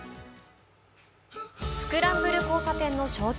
スクランブル交差点の象徴